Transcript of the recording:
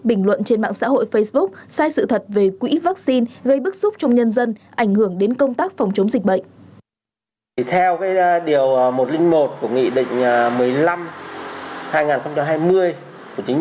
bình luận trên mạng xã hội facebook sai sự thật về quỹ vaccine gây bức xúc trong nhân dân ảnh hưởng đến công tác phòng chống dịch bệnh